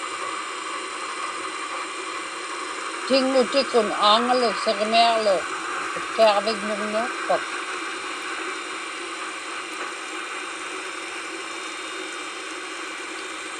Tiŋŋutikun Aaŋalu Siġmiaġlu Utqiaġviŋmuŋniaqpak?